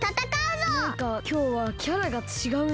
マイカきょうはキャラがちがうな。